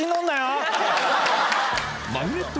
マグネット